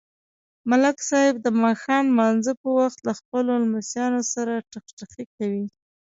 ملک صاحب د ماښام نمانځه په وخت له خپلو لمسیانو سره ټخټخی کوي.